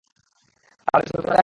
তাহলে শুরু করা যাক?